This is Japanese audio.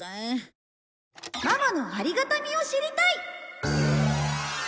ママのありがたみを知りたい。